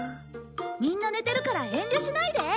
みんな寝てるから遠慮しないで。